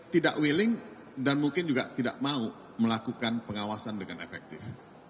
tidak willing dan mungkin juga tidak mau melakukan pengawasan dengan efektif